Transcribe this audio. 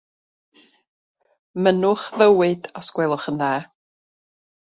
Mynnwch fywyd, os gwelwch yn dda.